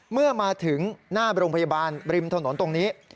เมื่อมาถึงหน้าโรงพยาบาลริมถนนตรงนี้